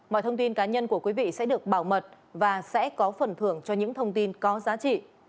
mọi thông tin cá nhân của quý vị sẽ được bảo mật và sẽ có phần thưởng cho những thông tin có giá trị